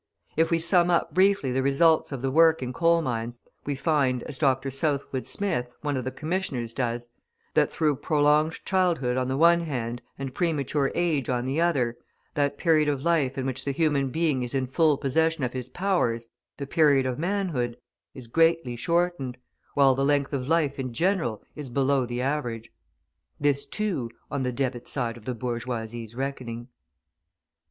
If we sum up briefly the results of the work in coal mines, we find, as Dr. Southwood Smith, one of the commissioners, does, that through prolonged childhood on the one hand and premature age on the other, that period of life in which the human being is in full possession of his powers, the period of manhood, is greatly shortened, while the length of life in general is below the average. This, too, on the debit side of the bourgeoisie's reckoning!